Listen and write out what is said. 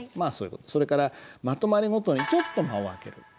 それからまとまりごとにちょっと間をあける。